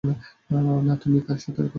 না তুমি কার সাথে কথা বলছিলে?